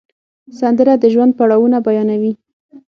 سندره د ژوند پړاوونه بیانوي